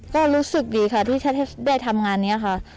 ก็รู้สึกดีค่ะที่ได้ทำงานนี้ค่ะ